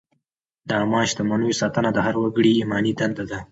د عامه شتمنیو ساتنه د هر وګړي ایماني دنده ده.